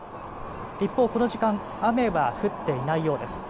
一方、この時間、雨は降っていないようです。